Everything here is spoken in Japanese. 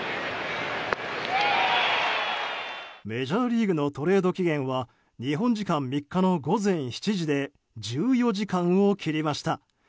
メジャーリーグのトレード期限は日本時間３日の午前７時で１４時間を切りました。